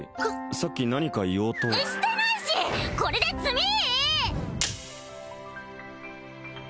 さっき何か言おうとしてないしこれで詰み！